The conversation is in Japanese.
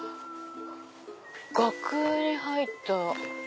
額に入った。